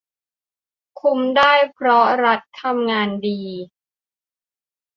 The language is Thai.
คุมได้ เพราะรัฐทำงานดี